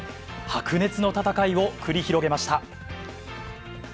白熱の戦いを繰り広げました。